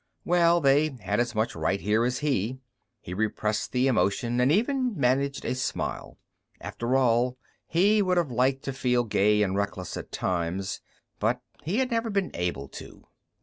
Well, they had as much right here as he. He repressed the emotion, and even managed a smile. After all, he would have liked to feel gay and reckless at times, but he had never been able to.